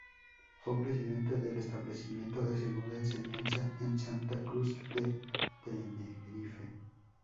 Fue presidente del Establecimiento de Segunda Enseñanza en Santa Cruz de Tenerife.